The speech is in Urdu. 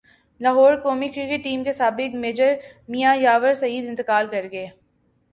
لاہورقومی کرکٹ ٹیم کے سابق مینجر میاں یاور سعید انتقال کرگئے